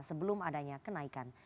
sebelum adanya kenaikan